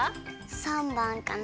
３ばんかな。